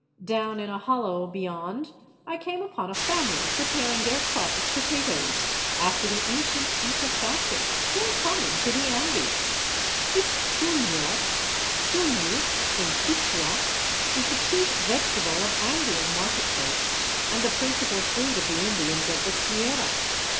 Down in a hollow beyond I came upon a family preparing their crop of potatoes after the ancient Inca fashion still common to the Andes. This chuno — chttnu, in Quichua — is the chief vegetable of Andean market places and the principal food of the Indians of the Sierra.